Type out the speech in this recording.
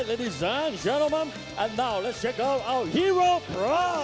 และตอนนี้เราจะเจอกันภารกิจภารกิจภารกิจ